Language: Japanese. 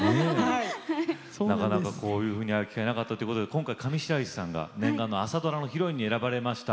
なかなかこういうふうな機会がなかったっていうことで今回上白石さんが念願の朝ドラのヒロインに選ばれました。